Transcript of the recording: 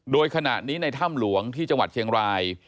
โดยขณะนี้ในถ้ำหลวงที่จังหวัดเชียงราย